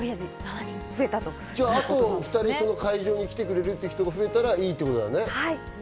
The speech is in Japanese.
じゃあ、あと２人会場に来てくれる人が増えたらいいってことだね。